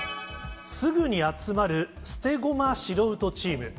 すぐに集まる捨て駒素人チーム。